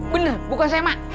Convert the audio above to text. bener bukan saya mak